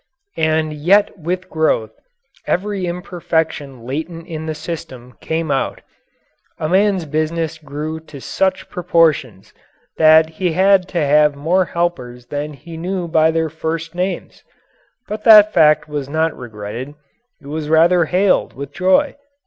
And yet with growth every imperfection latent in the system came out. A man's business grew to such proportions that he had to have more helpers than he knew by their first names; but that fact was not regretted; it was rather hailed with joy.